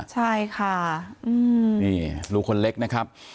ใช่ค่ะนี่ลูกคนเล็กนะครับ